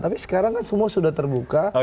tapi sekarang kan semua sudah terbuka